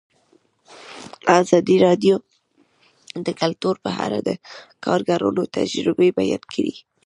ازادي راډیو د کلتور په اړه د کارګرانو تجربې بیان کړي.